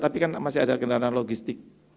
tapi kan masih ada kendaraan logistik